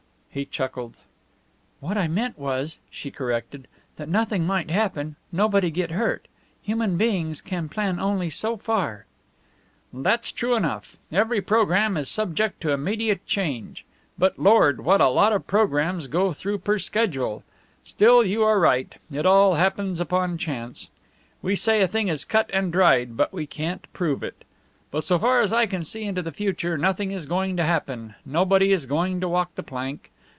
He chuckled. "What I meant was," she corrected, "that nothing might happen, nobody get hurt. Human beings can plan only so far." "That's true enough. Every programme is subject to immediate change. But, Lord, what a lot of programmes go through per schedule! Still, you are right. It all depends upon chance. We say a thing is cut and dried, but we can't prove it. But so far as I can see into the future, nothing is going to happen, nobody is going to walk the plank.